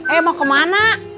eh mau kemana